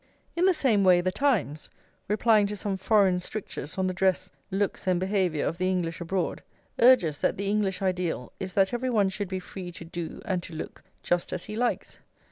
In the same way The Times, replying to some foreign strictures on the dress, looks, and behaviour of the English abroad, urges that the English ideal is that every one should be free to do and to look just as he likes.